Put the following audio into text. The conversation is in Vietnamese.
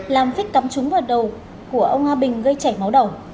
làm phích cắm trúng vào đầu của ông a bình gây chảy máu đầu